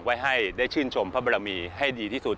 ไว้ให้ได้ชื่นชมพระบรมีให้ดีที่สุด